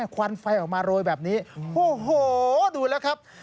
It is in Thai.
ควันไฟออกมาโรยแบบนี้โอ้โหดูแล้วครับ